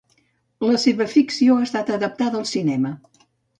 La seva ficció ha estat adaptada al cinema.